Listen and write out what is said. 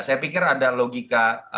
saya pikir ada logika